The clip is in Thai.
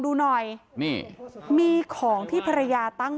พี่ทีมข่าวของที่รักของ